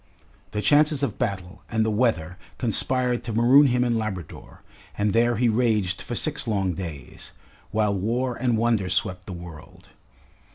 The chances of battle and the weather conspired to maroon him in Labrador, and there he raged for six long days, while war and wonder swept the world.